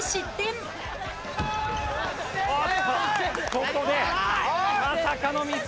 ここでまさかのミス。